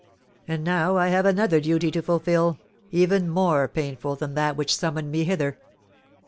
And now I have another duty to fulfil, even more painful than that which summoned me hither."